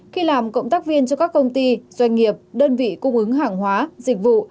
khi làm cộng tác viên cho các công ty doanh nghiệp đơn vị cung ứng hàng hóa dịch vụ